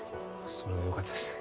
それはよかったですね